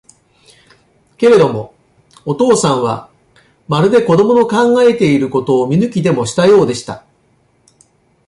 けれども、お父さんは、まるで子供の考えていることを見抜きでもしたようでした。